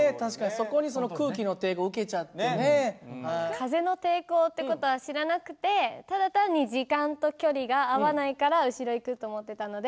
風の抵抗って事は知らなくてただ単に時間と距離が合わないから後ろ行くと思ってたので。